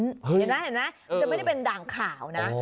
เห็นไหมเห็นไหมจะไม่ได้เป็นด่างขาวนะ